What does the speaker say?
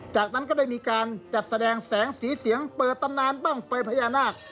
จากนั้นก็ได้มีการจัดแสดงแสงสีเสียงเปิดตำนานบ้างไฟพญานาค